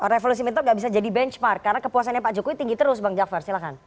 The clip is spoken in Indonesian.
revolusi mental nggak bisa jadi benchmark karena kepuasannya pak jokowi tinggi terus bang jakfar silahkan